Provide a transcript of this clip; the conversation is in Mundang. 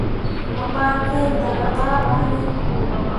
Mo ɓah kiŋ dah gah babane.